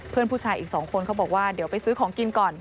เพื่อนผู้ชายอีก๒คนเขาบอกว่าเดี๋ยวไปซื้อของกินก่อน